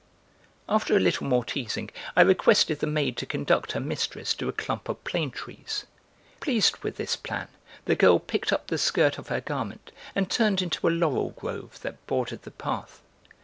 After a little more teasing, I requested the maid to conduct her mistress to a clump of plane trees. Pleased with this plan, the girl picked up the skirt of her garment and turned into a laurel grove that bordered the path.